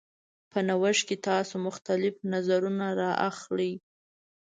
په نوښت کې تاسو مختلف نظرونه راخلئ.